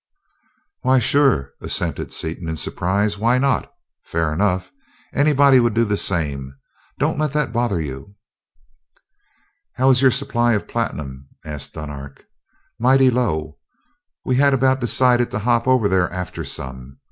"Why sure," assented Seaton, in surprise. "Why not? Fair enough! Anybody would do the same don't let that bother you." "How is your supply of platinum?" asked Dunark. "Mighty low. We had about decided to hop over there after some.